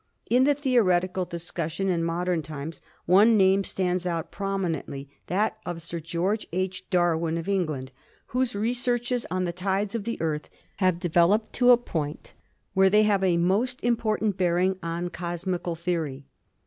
In the theoretical discussion in modern times one name stands out prominently, that of Sir George H. Darwin, of England, whose researches on the tides of the Earth have developed to a point where they have a most important bearing on cosmical theory.